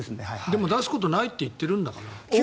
でも出すことないって言ってるんだから。